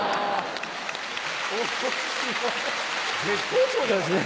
面白い絶好調じゃないですか。